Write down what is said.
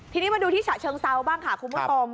ทีนี้มาดูที่ฉะเชิงเซาบ้างค่ะคุณผู้ชม